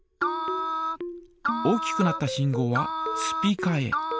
大きくなった信号はスピーカーへ。